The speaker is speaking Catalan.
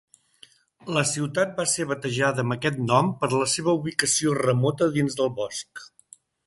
La ciutat va ser batejada amb aquest nom per la seva ubicació remota dins del bosc.